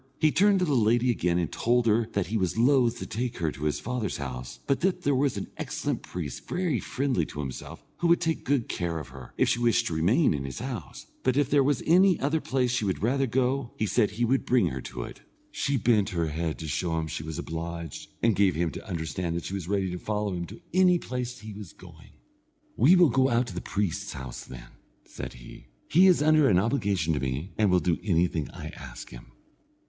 He turned to the lady again and told her that he was loth to take her to his father's house, but that there was an excellent priest very friendly to himself, who would take good care of her, if she wished to remain in his house; but that if there was any other place she would rather go, he said he would bring her to it. She bent her head, to show him she was obliged, and gave him to understand that she was ready to follow him to any place he was going. "We will go to the priest's house, then," said he; "he is under an obligation to me, and will do anything I ask him."